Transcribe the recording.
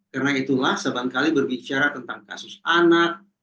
karena itulah seban kali berbicara tentang kasus anak